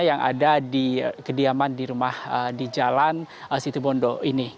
yang ada di kediaman di rumah di jalan situbondo ini